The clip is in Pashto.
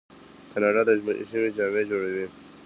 کاناډا د ژمي جامې جوړوي.